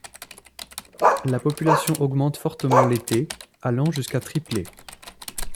La population augmente fortement l'été, allant jusqu'à tripler.